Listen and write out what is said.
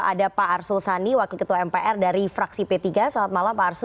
ada pak arsul sani wakil ketua mpr dari fraksi p tiga selamat malam pak arsul